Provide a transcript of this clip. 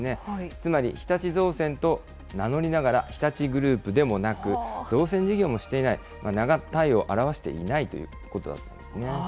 つまり日立造船と名乗りながら、日立グループでもなく、造船事業もしていない、名が体を表していないということなんですね。